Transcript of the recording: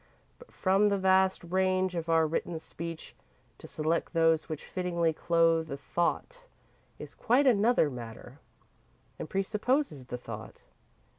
But from the vast range of our written speech to select those which fittingly clothe the thought is quite another matter, and presupposes the thought.